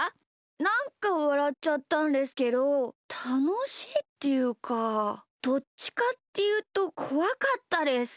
なんかわらっちゃったんですけどたのしいっていうかどっちかっていうとこわかったです。